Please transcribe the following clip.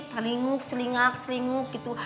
terlinguk celingak celinguk gitu